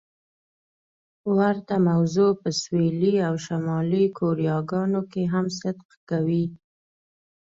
ورته موضوع په سویلي او شمالي کوریاګانو کې هم صدق کوي.